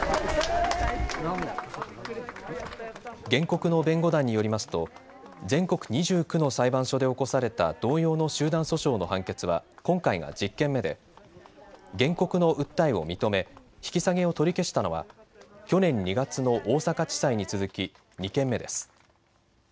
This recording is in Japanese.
原告の弁護団によりますと全国２９の裁判所で起こされた同様の集団訴訟の判決は今回が１０件目で原告の訴えを認め引き下げを取り消したのは去年２月の大阪地裁に続き２件目です。